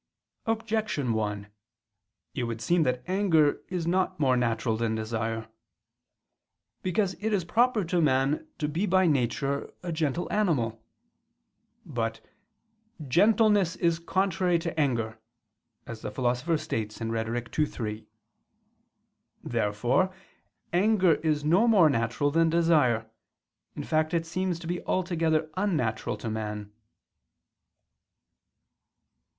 Objection 1: It would seem that anger is not more natural than desire. Because it is proper to man to be by nature a gentle animal. But "gentleness is contrary to anger," as the Philosopher states (Rhet. ii, 3). Therefore anger is no more natural than desire, in fact it seems to be altogether unnatural to man.